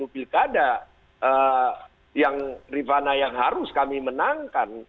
dua ratus tujuh puluh pilkada yang rivana yang harus kami menangkan